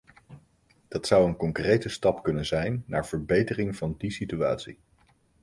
Dat zou een concrete stap kunnen zijn naar verbetering van die situatie.